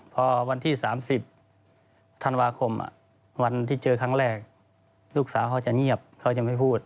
พอวันที่๓๐ธันวาคมวันที่เจอครั้งแรกลูกสาวเขาจะเงียบเขายังไม่พูด